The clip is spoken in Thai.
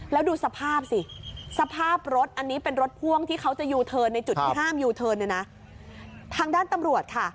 แล้วดูสภาพสิสภาพรถอันนี้เป็นรถพ่วงที่เขาจะยูเทิร์นในจุดที่ห้ามยูเทิร์นเนี่ยนะทางด้านตำรวจค่ะ